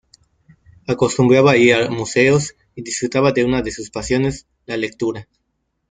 Acostumbraba ir a museos y disfrutaba de una de sus pasiones, la lectura.